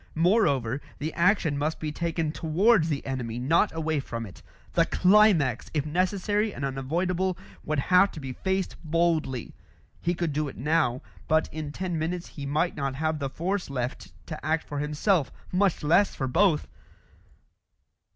Moreover, the action must be taken towards the enemy, not away from it; the climax, if necessary and unavoidable, would have to be faced boldly. He could do it now; but in ten minutes he might not have the force left to act for himself, much less for both!